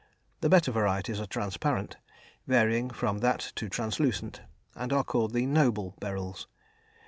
The better varieties are transparent, varying from that to translucent, and are called the "noble" beryls.